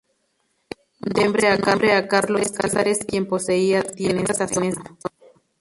Debe su nombre a Carlos Casares, quien poseía tierras en esta zona.